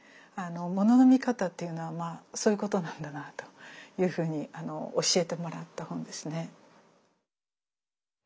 物の見方っていうのはそういうことなんだなというふうに教えてもらった本ですね。